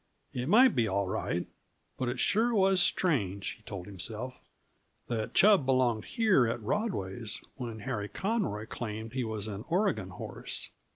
It might be all right, but it sure was strange, he told himself, that Chub belonged here at Rodway's when Harry Conroy claimed that he was an Oregon horse.